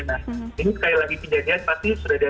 nah ini sekali lagi penjajahan pasti sudah ada